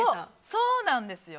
そうなんですよ。